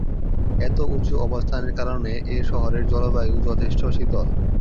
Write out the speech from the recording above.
এত উঁচু অবস্থানের কারণে এ' শহরের জলবায়ু যথেষ্ট শীতল।